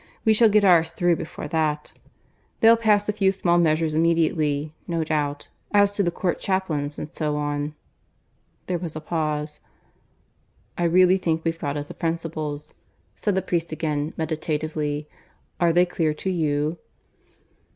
We shall get ours through before that. They'll pass a few small measures immediately, no doubt as to the Court chaplains and so on." There was a pause. "I really think we've got at the principles," said the priest again, meditatively. "Are they clear to you?"